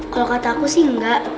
kalo kata aku sih engga